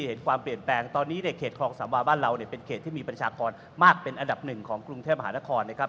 เห็นความเปลี่ยนแปลงตอนนี้ในเขตคลองสามวาบ้านเราเนี่ยเป็นเขตที่มีประชากรมากเป็นอันดับหนึ่งของกรุงเทพมหานครนะครับ